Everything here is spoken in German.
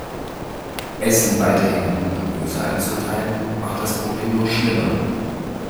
Essen weiterhin in gut und böse einzuteilen, macht das Problem nur schlimmer.